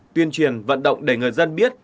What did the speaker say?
truyền vận động để người dân biết